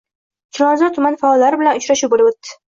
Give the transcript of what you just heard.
Chilonzor tumani faollari bilan uchrashuv bo‘lib o‘tdi